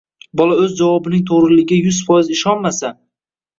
Bola o‘z javobining to‘g‘riligiga yuz foiz ishonmasa